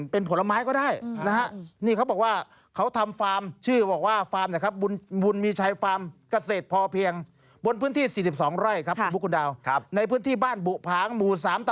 เฮ่ยคุณธวัดชัยกินสดได้เลยนะฮะ